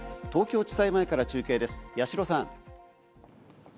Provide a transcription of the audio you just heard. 東京地裁前から中継です、矢代さん。